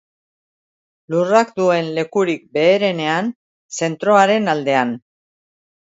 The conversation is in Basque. Lurrak duen lekurik beherenean, zentroaren aldean.